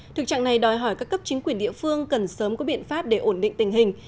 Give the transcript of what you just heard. thực trạng này đòi hỏi các cấp chính quyền địa phương cần sớm có biện pháp để ổn định tình hình